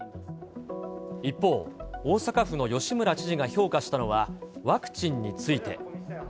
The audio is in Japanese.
一方、大阪府の吉村知事が評価したのは、ワクチンについて。